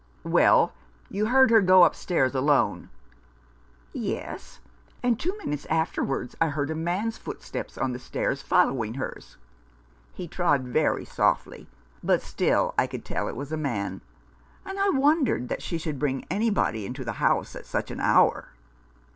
" Well, you heard her go upstairs alone ?" "Yes, and two minutes afterwards I heard a man's footsteps on the stairs, following hers. He trod very softly, but still I could tell it was a man. And I wondered that she should bring anybody into the house at such an hour."